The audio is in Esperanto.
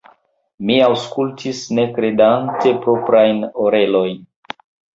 Mi aŭskultis, ne kredante proprajn orelojn.